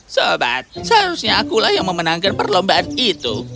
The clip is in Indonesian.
sobat seharusnya akulah yang memenangkan perlombaan itu